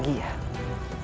dan saya berbahagia